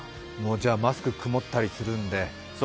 じゃあ、マスクが曇ったりするんで？